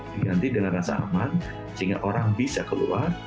diganti dengan rasa aman sehingga orang bisa keluar